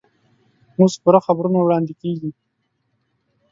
اوس پوره خبرونه واړندې کېږي.